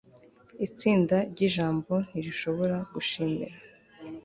itsinda ryijambo ntirishobora gushimira